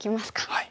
はい。